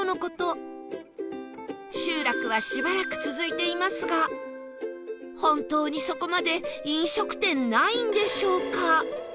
集落はしばらく続いていますが本当にそこまで飲食店ないんでしょうか？